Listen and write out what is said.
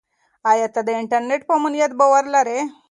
آیا ته د انټرنیټ په امنیت باور لرې؟